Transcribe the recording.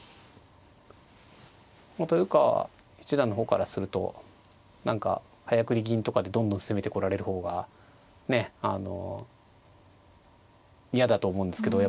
豊川七段の方からすると何か早繰り銀とかでどんどん攻めてこられる方があの嫌だと思うんですけど。